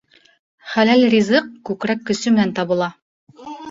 Хәләл ризыҡ күкрәк көсө менән табыла.